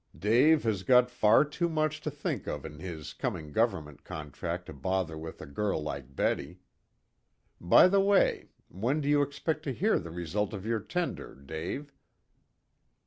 "Dave has got far too much to think of in his coming government contract to bother with a girl like Betty. By the way, when do you expect to hear the result of your tender, Dave?"